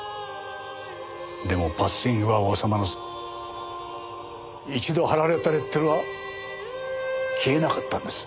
でもバッシングは収まらず一度貼られたレッテルは消えなかったんです。